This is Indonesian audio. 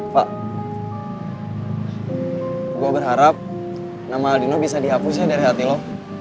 pak gue berharap nama aldino bisa dihapus ya dari hati lo